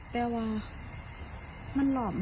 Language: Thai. ต้องไม่งั้นนะ